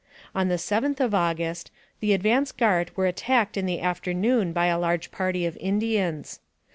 On the 7th of August, the advance guard were attacked in the afternoon by a large party of Indians.